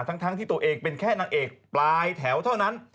ทั้งที่ตัวเองเป็นแค่นางเอกปลายแถวเท่านั้น